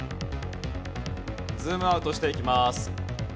ズームアウトしていきます。